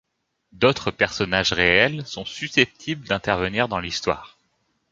D'autres personnages réels sont susceptibles d'intervenir dans l'histoire.